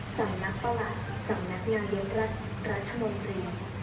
สำนักประหลักสำนักงานเยอะรัฐธรรมตรี